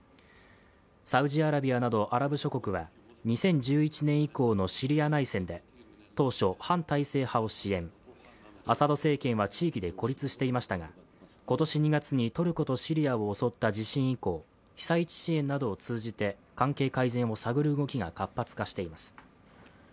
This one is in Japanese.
サウジアラビアなどアラブ諸国は２０１１年以降のシリア内戦で当初、反体制派を支援、アサド政権は地域で孤立していましたが、今年２月にトルコとシリアを襲った地震以降、被災地支援などを通じて関係改善を探る動きが活発化しています。